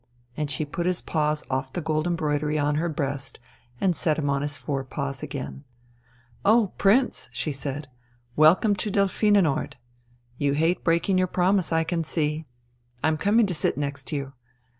And she put his paws off the gold embroidery on her breast, and set him on his four paws again. "Oh, Prince," she said. "Welcome to Delphinenort. You hate breaking your promise, I can see. I'm coming to sit next you.